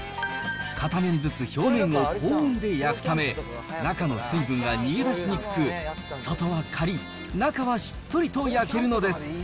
片面づつ表面を高温で焼くため、中の水分が逃げ出しにくく、外はかりっ、中はしっとりと焼けるのです。